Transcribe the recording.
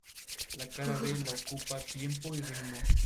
La cara B la ocupa Tiempo y ritmo.